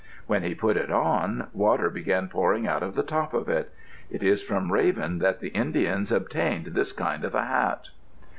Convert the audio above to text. When he put it on water began pouring out of the top of it. It is from Raven that the Indians obtained this kind of a hat.